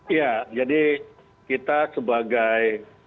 iya jadi kita sebagai